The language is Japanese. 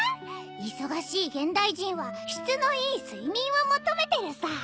忙しい現代人は質のいい睡眠を求めてるさ。